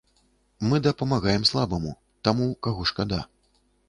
Мы дапамагаем слабаму, таму, каго шкада.